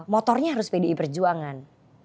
motornya harus pdi perjuangan